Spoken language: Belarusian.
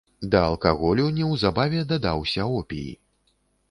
Да алкаголю неўзабаве дадаўся опій.